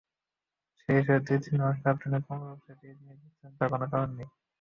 সেই হিসাবে দু-তিন মাস রপ্তানি কমলেও সেটি নিয়ে দুশ্চিন্তার কোনো কারণ নেই।